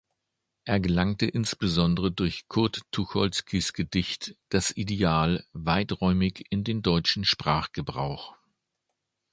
Er gelangte insbesondere durch Kurt Tucholskys Gedicht „Das Ideal“ weiträumig in den deutschen Sprachgebrauch.